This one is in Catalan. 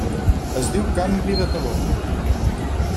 Es diu canvi de taló.